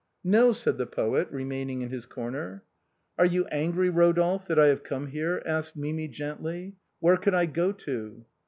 " No," said the poet remaining in his corner. "Are you angry, Eodolphe, that I have come here?" asked Mimi gently. " Where could I go to